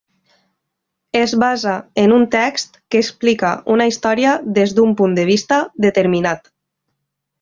Es basa en un text que explica una història des d'un punt de vista determinat.